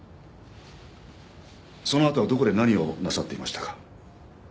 そのあとはどこで何をなさっていましたか？